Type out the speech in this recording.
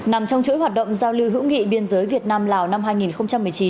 nằm trong chuỗi hoạt động giao lưu hữu nghị biên giới việt nam lào năm hai nghìn một mươi chín